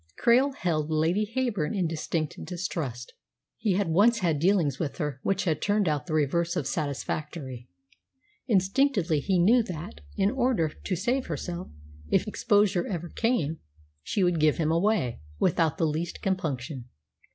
Krail held Lady Heyburn in distinct distrust. He had once had dealings with her which had turned out the reverse of satisfactory. Instinctively he knew that, in order to save herself, if exposure ever came, she would "give him away" without the least compunction.